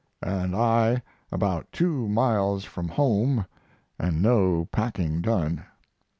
and I about two miles from home and no packing done.